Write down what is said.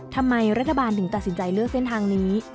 ทำไมรัฐบาลถึงตัดสินใจเลือกเส้นทางนี้